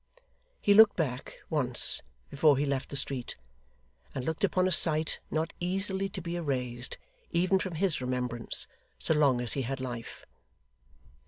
He looked back, once, before he left the street; and looked upon a sight not easily to be erased, even from his remembrance, so long as he had life.